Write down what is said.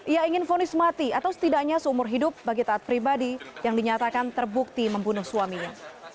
ia ingin fonis mati atau setidaknya seumur hidup bagi taat pribadi yang dinyatakan terbukti membunuh suaminya